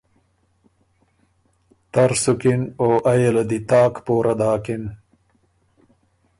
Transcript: تر سُکِن او ائ یه له دی تاک پوره داکِن۔